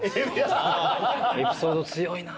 エピソード強いな。